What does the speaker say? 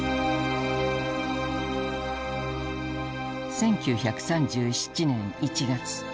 １９３７年１月。